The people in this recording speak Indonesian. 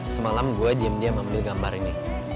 semalam gue diem diem ambil gambar ini